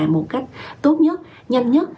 một cách tốt nhất nhanh nhất